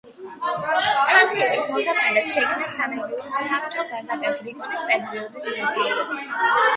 თანხების მოსაზიდად შეიქმნა სამეურვეო საბჭო კაზაკ გრიგორ პეტროვის მეთაურობით.